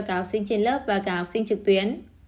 cả học sinh trên lớp và cả học sinh trực tuyến